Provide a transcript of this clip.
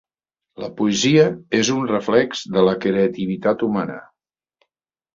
La poesia és un reflex de la creativitat humana.